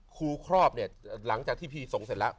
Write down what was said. ครอบเนี่ยหลังจากที่พี่ส่งเสร็จแล้ว